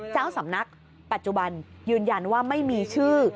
เจ้าสำนักปัจจุบันยืนยันว่าไม่มีชื่อ